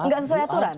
enggak sesuai aturan